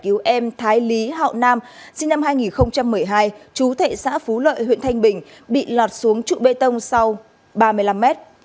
cứu em thái lý hậu nam sinh năm hai nghìn một mươi hai chú thệ xã phú lợi huyện thanh bình bị lọt xuống trụ bê tông sau ba mươi năm mét